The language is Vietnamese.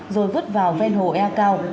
rồi vứt vào ven hồ ea cao